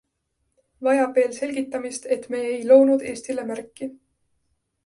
Vajab veel selgitamist, et me ei loonud Eestile märki.